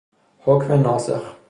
حکم ناسخ